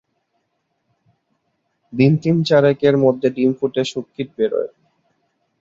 দিন তিন-চারেকের মধ্য ডিম ফুটে শূককীট বেরোয়।